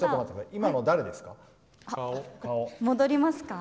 今の誰ですか？